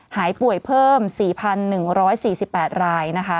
หายป่วยเพิ่ม๔๑๔๘รายนะคะ